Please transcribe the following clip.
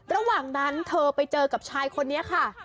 ระหว่างนั้นเธอไปเจอกับชายคนนี้ค่ะ